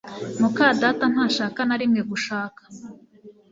muka data ntashaka na rimwe gushaka